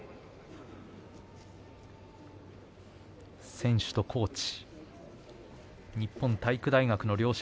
選手とコーチ日本体育大学の両者。